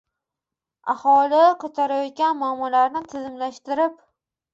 Aholi koʻtarayotgan muammolarni tizimlashtirib